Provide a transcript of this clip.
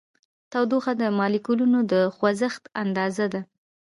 تودوخه د مالیکولونو د خوځښت اندازه ده.